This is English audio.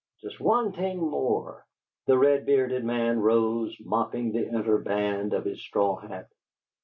"Just one thing more." The red bearded man rose, mopping the inner band of his straw hat.